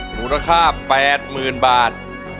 มูลค่า๘๐๐๐บาท